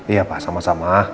ya pak sama sama